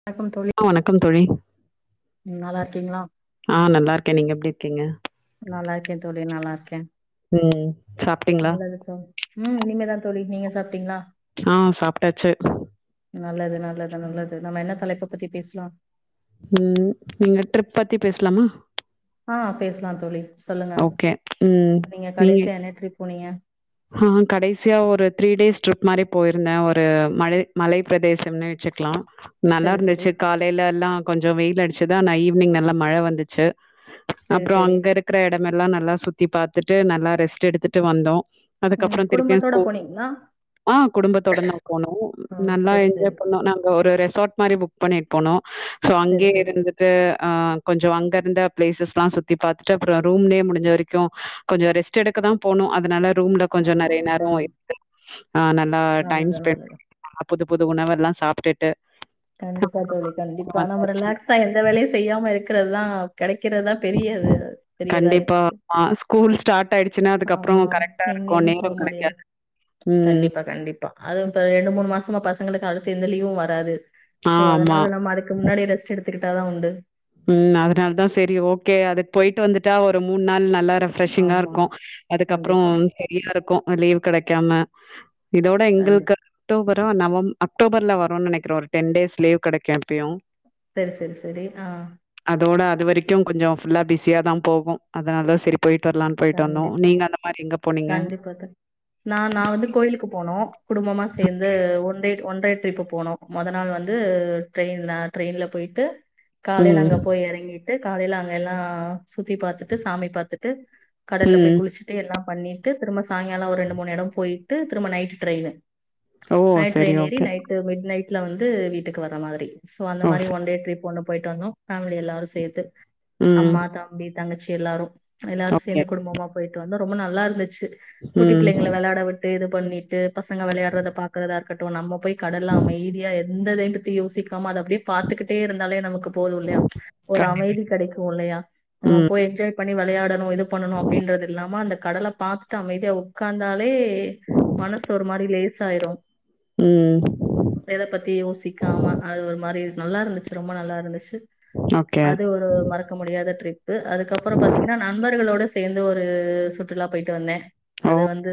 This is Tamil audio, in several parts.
வணக்கம் தோழி ஆ வணக்கம் தோழி உம் நல்லா இருக் க்கீங்களாம் ஆ நல்லாருக்கே நீங்க எப்டி இருக்கீங்க நல்லா இருக்கே தோழி நல்லா இருக்கே உம் சாப்பிட்டீங்ளா உம் இனிமேதா தோழி நீங்க சாப்பிட்டீங்களா ஆ சாப்பிட்டாச்சு நல்லது நல்லது நல்லது நம்ம என்ன தலைப்ப பத்தி பேசுலா உம் நீங்க ட்ரிப் பத்தி பேசுலாமா ஆ பேஸ்லா தோழி சொல்லுங்க ஓகே ம் நீங்க கடைசிய என்ன ட்ரிப் போனிக ஆ கடைசியா ஒரு த்ரீ டேஸ் ட்ரிப் மாரி போயிருந்தே ஒரு மழை மலை பிரதேசம்னு வெச்சுக்குலா நல்லா செரி செரி இருந்துச்சு காலையில்லா கொஞ்சோ வெயில் அடிச் ச்சுதா நா ஈவினிங் நல்லா மழ வந்துச்சு அப் செரி அப்றோ செரி அங்க இருக்கற எடமெல்லா நல்லா சுத் சுத்தி பாத்துட்டு நல்லா ரெஸ்ட் எடுத்துட்டு வந்தோ ம் அதுக்கப்புறோ திருப்பியு குடும்பத்தோட ஸ்கூல் போனீங்களா ஆ குடும்பத்தோட நா போனோ ஓ நல்லா செரி என்ஜாய் செரி பண்ணோ நாங்க ஒரு ரெசார்ட் மாரி புக் பண்ணிட் போனோ சோ செரி அங்கியே செரி இருந்துட்டு ஆ கொஞ்சோ அங்க இருந்த பிளேசஸ்ல்லா சுத்தி பாத்துட்டு அப்புறோ ரூம்லே முடிஞ்ச வரிக்கு கொஞ்சோ ரெஸ்ட் எடுக்க தா போனு அதுனால ரூம் கொஞ்சொ ஆமா நறைய நேரொ ம் [inaudible] ஆ நல்லா டைம் நல்லது நல்லது ஸ்பென்ட் [inaudible] புது புது உணவெல்லா சாப்டுட்டு கண்டிப்பா தோழி கண்டிப்பா நம்ம வந்தாச்சு. ரிலாக்ஸா எந்த வேலையு செய்யாம இருக் கிறதுதா கெடை கிறதா பெரியது பெரியதா கண்டிப்பா. இருக்கு ஆ ஸ்கூல் ஸ்டார்ட் ஆயிடுச்சுன்னா, அதுக்கப்புறம் ஆமா கரெக்ட்டா இருக்கும். எங்கய்மே போ நேரம் முடியாது கிடைக்காது. ம். கண்டிப்பா கண்டிப்பா அதும் இப்ப ரெண்டு மூணு மா சமா பசங்களுக்கு அடுத்து எந்த லீவு வராது சோ ஆமா. அதனால நம்ம அதுக்கு முன்னாடியே ரெஸ்ட் எடு த்துக்கிட்டா தா உண்டு ம் அதுனால்தா செரி ஓகே அதுக் போயிட்டு வந்துட்டா ஒரு மூண் நாள் ந ல்லா ரெஃப்ரெஷிங்கா ஆமா. இருக்கு அதுக்கப்றோ கண்டிப்பா, சரியா இருக்கு அ லீவ் கெடைக்காம இதோட எங்களுக்கு கண்டிப்பா. அக்டோபர் டா நவம் அக்டோபர்ல வருன் நெனக்கிறே ஒரு டென் டேஸ் லீவ் கெடைக்கு எப்பயு செரி‌ செரி செரி அதோட அது வரைக்கும் கொஞ்சொ ஃபுல்லா பிஸியா தா போகு அதனால்தா செரி கண்டிப்பா போனீங்க கண்டிப்பா தோழி நா நா வந்து கோயிலுக்கு போனோ குடும்பமா சேந்து one day one day trip போனொ மொத நாள் வந்து ட்ரெயின் அ ட்ரெயின்ல பொயிட்டு காலைல ம் அங்க போய் எறங்கி ட்டு காலைல அங்கெல்லா சுத்தி பாத்துட்டு சாமி பாத்துட்டு கடல்ல போய் ம் குளிச்சுட்டு எல்லா பண்ணிட்டு திரும்ப சாயங்காலொ ஒரு ரெண்டு மூணு எடொ போயிட்டு திரும்ப நைட்டு ட்ரெயினு ஓ நைட் சரி ட்ரைன் ஏறி ஓகே நைட்டு மிட் நை ட்ல வந்து வீட்டுக்கு வர மாதிரி சோ அந்த ஓ மாரி சரி ஒன் டே ட்ரிப் ஒன்னு போயிட்டு வந்தோ ஃபேமிலி எல்லாரு சேத்து ம் அம்மா தம்பி தங்கச்சி எல்லாரு எல்லாரு சே ஓகே சேந்து குடும்பமா போயிட்டு வந்தோ ரொம்ப நல்லாருந்து ச்சு குட்டி ம் பிள்ளைங்கள வெளாட விட்டு இது பண்ணிட்டு பசங்க வெளையாட்றத பாக்குறதா இருக்கட்டு நம்ம போய் கடல்லா அமைதியா எ இந்த ரெண்டுத்தையு யோசிக் காம அத அப்டியே பாத்துக்கிட்டே இருந்தாலே நமக்கு போது இல்லியா ஒரு கண்டிப்பா அமைதி கெடைக்கு இல்லையா நம்ம ம் போய் என்ஜாய் பண்ணி வெளையா [unintelligible] பண்ணனு அப்டின்றது இல்லாம அந்த கடல பாத்துட்டு அமைதியா உக்காந்தால் லே மனசு ஒரு மாரி லேஸ் சாயிரு ம் எத பத்தி யோசிக்காம அது ஒரு மாரி நல்லா இருந்துச்சு ரொம்ப நல்லா இருந்துச்சு ஓகே அது ஒரு மறக்க முடியாத ட்ரிப்பு அதுக்கப்புறோ பாத்தீங்கன்னா நண்பர் அவங்களோட சேந்து ஒரு சுற்றுலா போயிட்டு வந்த ஓ அத வந்து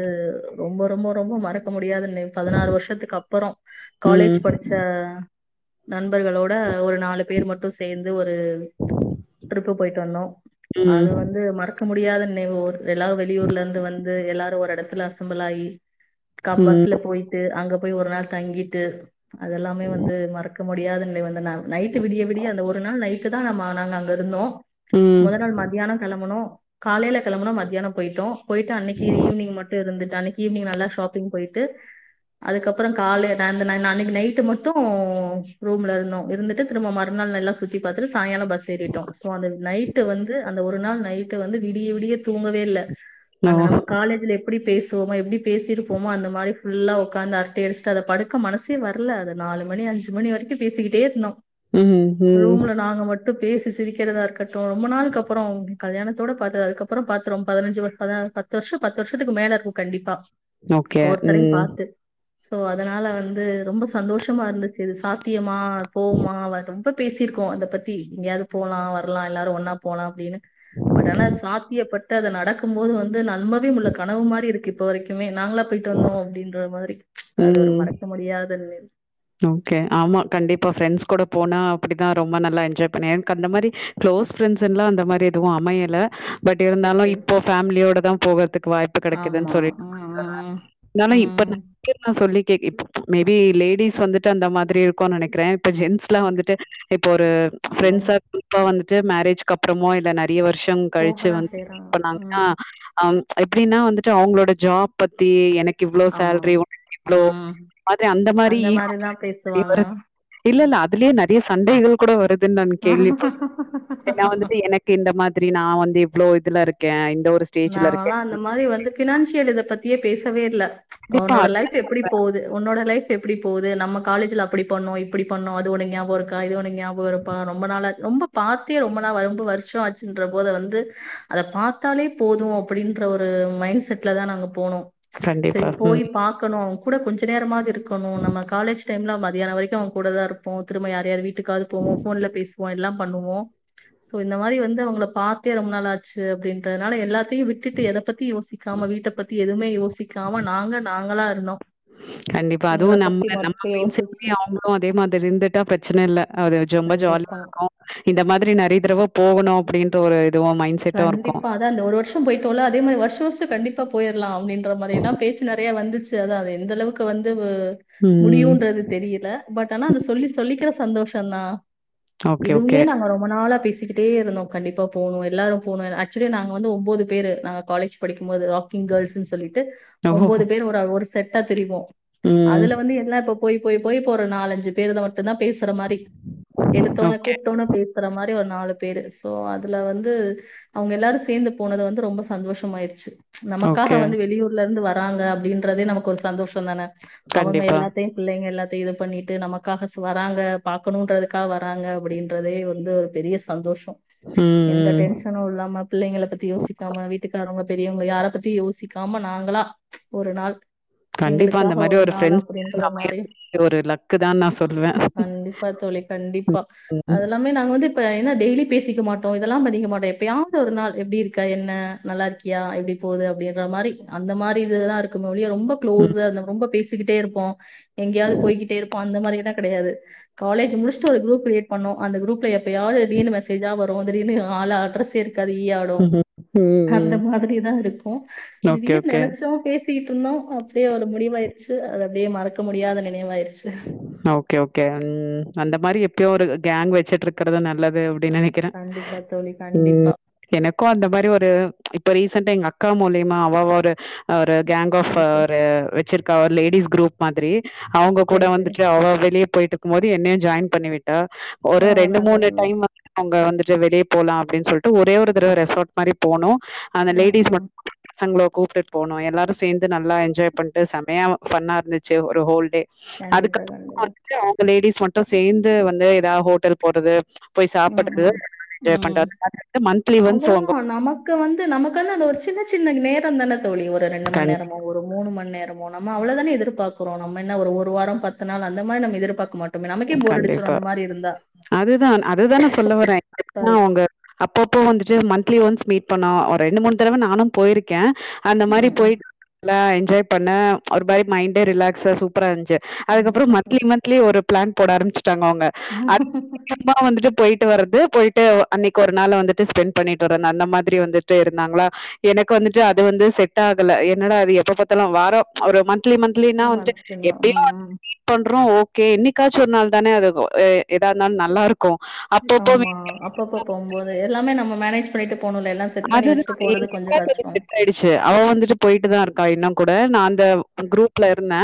ரொம்ப ரொம்ப ரொம்ப ம மறக்க முடியாத நி நினைவு பதினாறு வருஷத்துக்கு அப்பரோ காலேஜ் படிச்ச ம் நண்பர்களோட ஒரு நாலு பேர் மட்டு சேந்து ஒரு ரு ம் ட்ரிப்பு போயிட்டு வந்தோ அது வந்து மறக் மறக்க முடியாத நினைவு எல்லா வெளியூர்ல இருந்து வந்து எல்லாரு ஒரு எடத்துல அசம்புள் ஆகி கா ம் பஸ்ல போயிட்டு அங்கப் போய் ஒரு நாள் தங்கிட்டு அதெல்லாமே வந்து மறக்க முடியாத நிவந்த நாள் நைட்டு விடிய விடிய அந்த ஒரு நாள் நைட்டுதா நம்ம நாங்க அங்க இருந்தோ ம் மொத நாள் மதியானோ கெளம்புனோ காலைல கெளம்புனோ மத்தியானோம் போயிட்டோ போயிட்டு அன்னைக்கு ஈவினிங் மட்டு இருந்துட் ட அன்னிக் ஈவினிங் நல்லா ஷாப்பிங் போயிட்டு அதுக்கப்புறோ காலைல அன்னைக்கு நைட்டு மட்டு ரூம்ல இருந்தோ இருந்துட்டு திரும்பு மறுநாள் நல்லா சுத்தி பாத்துட்டு சாயங்காலோ பஸ் ஏறிட்டோ சோ அந்த நைட்டு வந்து அந் ஒரு நாள் நைட் டு வந்து விடிய விடிய தூங்கவே இல்ல ஓ அந்த நம்ம காலேஜ்ல எப் எப்டி பேசுவுமோ எப்டி பேசியிருப்போமோ அந்த மாரி ஃபுல்லா உக்காந்து அரட்டை அடுச்சுட்டு அத படுக்க மனசே வர்ல அத நாலு மணி அஞ்சு மணி வரைக்கு பேசிக்கிட்டே இருந்தோ ம் ம் ப்பு பேசி சிரிக்கிறதா இருக்கட்டு ரொம்ப நாளுக் அப்புறோ உங் கல்யாணத் தோட பாத்தது அதுக்கப்புறோ பாத்து ரொம் பதனஞ்சு பத்து வர்ஷோ பத்து வர்ஷத்துக்கு மேல இருக்கு கண்டிப்பா ஓகே ஒவ்வொருத்தரையு ம் பாத்து சோ அதனால வந்து ரொம்போ சந்தோஷமா இருந்துச்சு இது சாத்தியமா போம்மா ரொம்ப பேசிருக்கோ அத பத்தி எங்கேயாவது போலா வரலா எல்லாரு ஒன்னா போலா அப்டின்னு பட் ஆனா சாத்தியப்பட்டு அத நடக்கும் போது வந்து நம்பவே முல்ல கனவு மாரி இருக்கு இப்ப வரைக்குமே நாங்ளா போயிட்டு வந்தோ அப்டின்ற மாரி அது ஒரு ம் மறக்க முடியாத நினைவு ஓகே ஆமா கண்டிப்பா ஃப்ரெண்ட்ஸ் கூட போனா அப்டிதா ரொம்ப நல்லா என்ஜாய் பண்ணே என்க்கு அந்த மாரி க்ளோஸ் ஃப்ரெண்ட்ஸுன்லா அந்த மாரி எதுவு அமையல பட் இருந்தாலு பெருசு இப்பொ ஃபேமிலியோட தா போவர்து கு வாய்ப்பு கெடைக்குதுன் ஆமா சொல்லி ம் ம் [inaudible] இப்ப ம் [inaudible] சொல்லி [unintelligible] இப் மேபி லேடி ஸ் வந்துட்டு அந்த மாதிரி இருக்குன் நெனக்கிறே இப்ப ஜென்ஸ்லா வந்துட்டு இப்ப ஒரு அவங்க ஃப்ரெண்ட்ஸா குரூப்பா வந்து ட்டு மேரேஜ்கப்றமோ இல்ல ந றைய வருஷம் கழிச்சு போகதா செய்றாங்க [inaudible] பண்ணாங்கன்னா ம் அம் எப்டின்னா வந்துட்டு அவுங்களோட ஜாப் பத்தி எனக் கு இவ்ளோ ஆமா சேல்ரி ஒனக்கு இவ்ளோ அது அந்த மாரி ரிதா பேசுவாங்க இதுலே நெறைய சண்டைகள் கூட வரு துன் நாங் கேள்வி பட்றோ ஏன்னா வந்துட்டு எனக்கு இந்த மாதிரி நா வந்து இ வ்ளோ இதுல இருக்கே இ நாங்கல்லா அந்த மாரி வந்து ஃபினான்ஷியல் இத பத் தியே பேசவே இல்ல கண்டிப்பா ஒன்னோட லைஃப் அதுதான் எப்பிடி சொல்றேன். போது ஒன்னோட லைஃ ப் எப்டி போது நம்ம காலேஜுல அப்பிடி பண்ணோ இப்பிடி பண்ணோ அது ஒனக் ஞாபொ இருக்கா இது ஒனக் ஞாபக இருப்பா ரொம்ப நாளா ரொம்ப பாத்தே ரொம்ப நா வ ரொம்ப வருஷ ஆச்சுன்ற போத வந்து அத பாத்தாலே போது அப்புடின்ற ஒரு மைண்ட் செட்ல தா நாங்க போனோ கண்டிப்பா. செரி போய் ம். பாக்கணு அவுங் கூட கொஞ்ச நேரமாது இருக்கணு நம்ம காலேஜ் டைம்ல மதியான வரைக்கு அவுங் கூடதாருப்போ திரும்ப யார் யார் வீட்டுக்காது போவோ ஃபோன்ல பேசுவோ எல்லாம் பண்ணுவோ சோ இந்த மாரி வந்து அவுங்கள பாத்தே ரொம்ப நாள் ஆச்சு அப்டின்ற னால எல்லாத்தையு விட்டுட்டு எத பத்தி யோசிக்காம வீட்ட பத்தி எதும்மே யோசிக்காம நாங்க நாங்களா இருந்தோ கண்டிப்பா அதுவு எங்கள நம்ம பத்தி நம்ம மட்டு மைண்ட் செட் யோசிச்சு [inaudible] அவுங்களு அதே மாதிரிந்துட்டா பிரச்சன இல்ல அது ஜொம்ப ஜாலியா கண்டிப்பா இருக்கு இந்த மாதிரி நெறைய தடவ போகணு அப்புடின்ற ஒரு இ கண்டிப்பா அதா இந்த ஒரு வருஷம் பொயிட்டோல்ல அதே மாரி வருஷ வருஷோ கண்டிப் பா போயர்லா அப்டின்ற மாரி எல்லா பேச்சு நெறைய வந்துச்சு அதா அது எந்தளவுக்கு வந்து வ ம். முடியுன்றது தெரியில பட் ஆனா அத சொல்லி சொல்லிக்கிற சந்தோஷந்தா ஓகே, இதுவுமே ஓகே. நாங்க ரொம்ப நாளா பேசிக்கிட்டே இருந்தோ கண்டிப்பா போணு எல்லாரு போன ஆக்சுவலி நாங்க வந்து ஒம்போது பேரு நாங்க காலேஜ் படிக் கும்போது ராக்கிங் கேர்ள்ஸுன்னு சொல்லிட்டு ஓஹோ! ஒம்போது பேர் ஒரு ஒரு செட் டா தெரிவோ. ம். அதுல வந்து எல்லா இப்போ போய் போய் போய் இப்ப ஒரு நாலஞ்சு பேருக ம ட்டுந்தா பேசுற மாரி எடுத்தோனே ஓகே, கூப்ட்டோனே பேசுற மாரி ஒரு நாலு பேரு சோ அதுல வந்து அவங்க எல்லாரு சேந்து போனது வந்து ரொம்ப சந்தோஷமாயிடுச்சு. நமக்காக ஓகே. வந்து வெளியூர்ல இருந்து வ ராங்க அப்டின்றதே நமக்கு ஒரு சந்தோஷம்தான? அவங்க கண்டிப்பா. எல்லாத்தையு புள்ளைங்க எல்லாத் தையு இது பண்ணிட்டு நமக்காக ஸ் வராங்க பாக்கணுன்றதுக்காக வராங்க அப்டின்றதே வந்து ஒரு பெரிய சந்தோஷோ ம் ம் னு இல்லாம பிள்ளைங்கள பத்தி யோசிக்காம வீட்டுக்காரவங்க பெரியவங்க யார பத்தியு யோசிக்காம நாங்களா ஒரு நாள் கண்டிப்பா அந்த எங்களுக்காக மாரி ஒரு நாள் ஃப்ரெண்ட்ஸ் அப்படின்ற மாரி அமையறது ஒரு லக்கு தான் நான் சொல்லுவேன். கண்டிப்பா தோழி ம், கண்டிப்பா ம், அதெல்லாமே நாங்க வந்து இப்ப ஆனா டெய்லி பேசிக்க மாட்டோ இதெல்லா பண்ணிக்க மாட்டோ எ ப்பயாது ஒரு நாள் எப்டி இருக்க என்ன நல்லா இருக்கியா எப்டி போது அப்டின்ற மாரி அந்த மாரி இதுலதா இருக்குமே ஒழிய ரொம்ப ம், க்ளோஸா இல்ல ரொம்ப பே சிக்கிட்டே இருப்போ எங்கயாது போய்கிட்டே இருப்போ அந்த மாரி லா கெடையாது காலேஜ் முடிச்சட்டு ஒரு குரூப் கிரியேட் பண்ணோ அந்த குரூப்ல எப்பயாது திடீர்னு மெசேஜா வரு திடீர்னு ஆள் அட்ரஸ் க்கு ஈ ஆடு ம்ஹ்ம். ம், அந்த ம். மாதிரிதா இருக்கு ஓகே, திடீர்னு ஓகே. நெனைச்சோ பேசி ட்டிருந்தோ அப்டியே ஒரு முடிவாயிடுச்சு அது அப்டியே மறக்க முடியாத நினைவாயிரு ஓகே ஓகே ம் அந்த மாரி எ ப்பயு ஒரு கேங் வச்சிட்டு இருக்குறது நல்லது அப் டினு நெனைக்கிறே கண்டிப்பா தோழி, ம் கண்டிப்பா. எனக்கு அந்த மாரி ஒரு இப்ப ரீசன்டா எங்க அக் கா மூலியமா அவ ஒரு ஒரு கேங் ஆஃப் சரி, சரி. ஒரு வச்சிரு க்கா ஒரு லேடிஸ் குரூப் மாதிரி. அவ கூட சரி, சரி. வந்துட்டு அவ வெளிய போய்ட்டு க்கும்போது என்னையு ஜாயின் பண்ணிவிட் டா ஓ! ஒரு ரெண்டு மூணு நல்லது, நல்லது. டைம் வந்து அவங்க வந்து கொஞ்ச வெளிய போலா அப்டின்னு சொல்ட்டு ஒரே ஒரு தடவ ரெசார்ட் மாரி போனோ. அந்த ம், லேடிஸ் ம். மட் [unintelligible] கூப்டுட் போனோ எல்லாரு சேந்து நல்லா என்ஜாய் பண்ட்டு செம்மையா ஃபன்னா இருந்துச்சு ஒரு ஹோல்டே அதுக்கு கண்டிப்பா, கண்டிப்பா. அவங்க லேடீஸ் மட்டு சேந்து வந்து ஏதா ஹோட்டல் போறது போய் ம் சாப்படுறது ம் என்ஜாய் ம் பண்றது மந்த்லி ஒன்ஸ் அவ்ளதா உங்க நமக்கு வந்து நமக்கு வந்து அந்த ஒரு சின்ன சின்ன நேர் ரந்தான தோழி ஒரு ரெண்டு மண் கண் நேரமோ ஒரு மூணு மண் நேரமோ நம்ம அவ்வளதான எர்பாக்குறோ நம்ம என்ன ஒரு வாரோ பத்து நாள் அந்த மாரி நம்ம எதிர்பாக்க மாட் டோமோ நமக்கே போர் அடிச்சுரு கண்டிப்பா அந்த மாரி இருந்தா அதுதான் அதுதான சொல்ல வர சாரி. அவங்க அப்பப்போ வந்துட்டு மண் மந்த்லீ ஒன்ஸ் மீட் பண்ணா ஒரு ரெண்டு மூணு தடவ நானும் போயிருக்க அந்த மாரி ம், போயி ம். இலைன் என்ஜாய் பண்ண ஒரு மாரி மைண்டே ரிலாக்ஸ்சா சூப்பரா இருந் ச்சு அதுக்கப்புறோ கண்டிப்பா, மன்த்லி மன்த்லி ஒரு ஃபிளான் போட ஆரம்பிச் சுட்டாங்க அவங்க கண்டிப்பா. அதுக்கப்பறமா வந்துட்டு போயிட் போயிட்டு வரது போயிட்டு அன்னைக்கு ஒரு நாளு வந்துட்டு ஸ்பென் பண்ணிட்டு அந்த மாதிரி வந்துட்டு இருந்தாங்களா எனக்கு வந்துட்டு அது வந்து செட்டாகல என்னடா இது எப்பப் பாத்தாலு வாரோ ஒரு மந்த் மன்த்லி மன்த்லி நா ஒரு வந்துட்டு மந்த்க்குங்களா எப்பயோ ம் ம் பண்றோ ஓ கேனிக் என்னக்காச்சு ஒரு நாள்தான அது ஏதா இருந்தா நல்லா இருக் ஆமா அப்பப்பம் போகும்போது எல்லாமே நம்ம மேனேஜ் பண்ணிட்டு போணும்ல எல்லாம் செட் பண்ணி அது வச்சுட்டு போறது கொஞ்சம் [unintelligible] கஷ்டம் ஆயிடுச்சு அவ வந்துட்டு போயிட்டுதா இருக்கா இன்னும் கூட நான் இந்த குரூப்ல இருந்த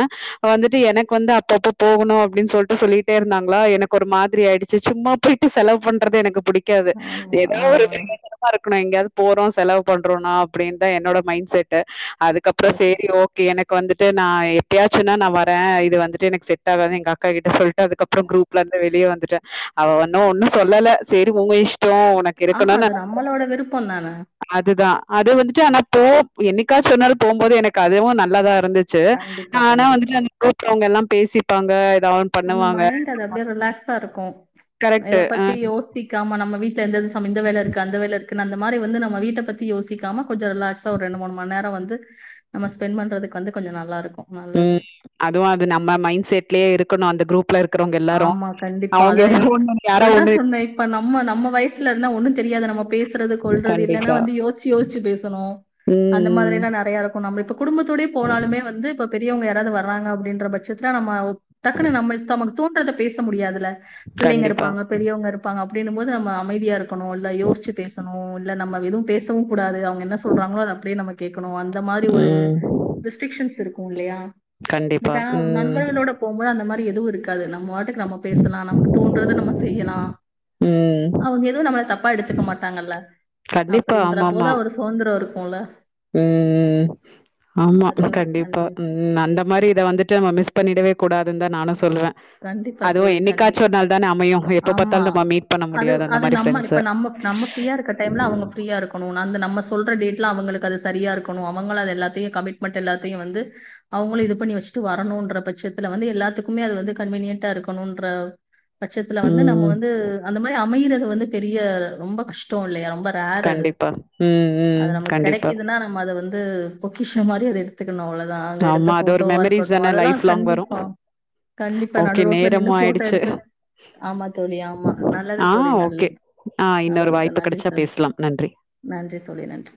வந்துட்டு எனக்கு வந்து அப்பப்போ போகணு அப்படின்னு சொல்லிட்டு சொல்லிட்டே இருந்தாங்களா எனக்கு ஒரு மாதிரி ஆயிடுச்சு சும்மா போயிட்டு செலவு பண்றது எனக்கு புடிக் க்காது ஆமா ஏதா ஆ ஒரு பிரோஜனமா இருக் கனு எங்கயாவது போறோ செலவு பண்றோன்னா அப்டின்தா என்னோட மைண்ட் செட்டு அதுக்கப்பறோ சரி சரி சேரி சரி ஓகே எனக் வந்துட்டு நா எப்பயாச்சும்ன்னா நா வர இது வந்துட்டு எனக் செட் ஆகாது எங்க அக்கா கிட்ட சொல்லிட்டு அதுக்கப்பறோ குரூப்ல இருந்து வெளிய வந்துட்ட அவ ஒன்னு ஒன்னு சொல்ல சேரி உங்க இஸ் ஆமா அது நம்மளோட விருப் ப்பந்தான அதுதான். அது வந்துட்டு ஆனா போ என்னிக்காச்சு ஒரு நாளு போம்போது எனக்கு அதுவு நல்லதா இருந்துச்சு கண்டிப்பா ஆனா கண்டிப்பா வந்துட்டு அந்த கூப்பறவங்கெல்லா பேசிப்பாங்க எ அந்த மைண்ட் அது அப்டியே ரிலாக்ஸா இருக்கு எத கரெக்ட்டு. அ. பத்தி யோசிக்காம நம்ம வீட்லருந்தது [unintelligible] இந்த வேலருக்கு அந்த வேலரு க்குன் அந்த மாரி வந்து நம்ம வீட்ட பத்தி யோசிக்காம கொஞ்சொ ரிலாக்ஸா ஒரு ரெண்டு மூணு மண்நேர வந்து நம்ம ஸ்பெண்ட் பண்றதுக்கு வந்து கொஞ்ச நல்லாருக்கு ம் அதுவு அது நம்ம மைண்ட் செட்லயே இருக்கணு அந்த குரூப் ஆமா கண்டிப்பா அத எ ஒண்ணு யாரோ அததா ஒண்ணு சொன்னே இப்ப நம்ம நம்ம வயசுலருந்தா ஒண்ணு தெரியாத நம்ம பே சுறது கொல்றது இல்லன்னா கண்டிப்பா. வந்து யோச்சு யோச்சு பேசணு‌ அந்த ம். மாதிரில்லா நெறைய இருக்கு நம்ப இப்ப குடும்பத்தோடயெ போனாலுமே வந்து இப்ப பெரியவங்க யாராது வர்றாங்க அப்டின்ற பச்சத்ல நம்ம ஒ டக்குனு நம்ம இப் நமக்கு தோன்றத பேச முடியாதுல பிள்ளைங்க கண்டிப்பா. இருப்பாங்க பெரியவுங்க இருப்பாங்க அ ப்டின்னும்போது நம்ம அமைதியா இருக்கணு இல்ல யோசிச்சு பேசணு இல்ல நம்ம எதுவு பேசவு கூடாது அவுங்க என்ன சொல்றாங்ளோ அத அப்டியே நம்ம கே க்கனு அந்த மாரி ஒரு ம். ரிஸ்ட்ரிக்ஷன்ஸ் இருக் கூல்லயா கண்டிப்பா. பட் ஆனா ம். நண்பர்களோட போம்போது அந்த மா ரி எதுவு இருக் காது ந ம் வாட்டுக்கு நம்ம பேசலா நமக் தோன்றத நம்ம செய்யலா ம். அவுங்க எதுவு நம்மள தப்பா எடுத்துக்க மாட்டாங்கல்ல கண்டிப்பா. அப்புடின்ற ஆமாமா. போதா ஒரு சுதந்திரொ இருக் கூல்ல ம் ம் ஆமா அது ஒரு தனி கண்டிப்பா ம் அந்த மாரி இத வந்துட்டு நம்ம மிஸ் பண்ணிடவே கூடாதுன்தா நானு கண்டிப்பா தோழி கண்டிப்பா நாள் தானே அமையும் எப்ப ஆமா பாத்தாலும் நம்ம மீட் பண்ண அது முடியாது அந்த அது மாரி நம்ம ஃப்ரெண்ட்ஸ இப்ப நம்ம நம்ம ஃபீரியா இருக்க டைம்ல அவுங்க ஃபீரியா இருக்கணு அந்த நம்ம சொல்ற டே ட்ல அவுங்களுக்கு அது சரியா இருக்கணு அவுங்களு அத எல்லாத்தையு கமிட்மென்ட் எல்லாத்தையு வந்து அவுங்களு இது பண்ணி வச்சுட்டு வரணுன்ற பச்சத்துல வந்து எல்லாத்துக்குமே அது வந்து கன்வீனியன்ட்டா இருக்கணுன்ற பட்சத்துல வந்து நம்ம ம் வந்து அந்த மாரி அமையிற து வந்து பெரிய ரொம்ப கஷ்டொ இல்லயா ரொம்ப ரேர் அது. கண்டிப்பா ம் ம் கண்டிப்பா து பொக்கிஷ மாரி அத எடுத்து க்கணு அவ்ளதா அங்க எடுத்த ஆமா. அது ஒரு ஃபோட்டோவா மெமரீஸ் இருக்கட்டு தானே அதல்லா லைஃப் லாங் வரும். கண்டிப்பா கண்டிப்பா நடு ஓகே ரோட்ல நின்னு நேரமும் ஃபோட்டோ ஆயிடுச்சு. எடுத்து ஆமா தோழி ஆமா நல்லது ஆ தோழி நல்லி ஓகே. ஆ இன்னொரு நல்லது த வாய்ப்பு நன்றி கிடைச்சா த பேசலாம். நன்றி. நன்றி தோழி நன்றி